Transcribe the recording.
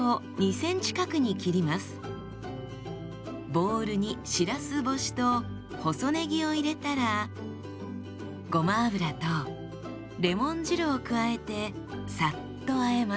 ボウルにしらす干しと細ねぎを入れたらごま油とレモン汁を加えてさっとあえます。